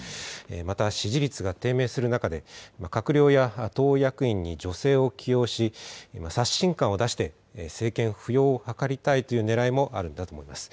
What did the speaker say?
また、支持率が低迷する中で、閣僚や党役員に女性を起用し、刷新感を出して、政権浮揚を図りたいというねらいもあるんだと思います。